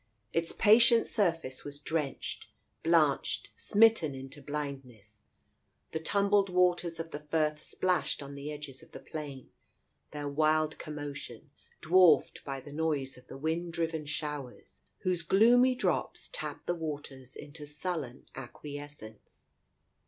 Its patient sur face was drenched, blanched, smitten into blindness. The tumbled waters of the Firth splashed on the edges of the plain, their wild commotion dwarfed by the noise of the wind driven showers, whose gloomy drops tapped the waters into sullen acquiescence.